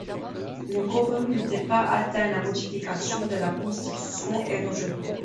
Le quorum n'étant pas atteint, la modification de la constitution est rejetée.